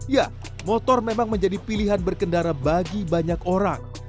ya motor memang menjadi pilihan berkendara bagi banyak orang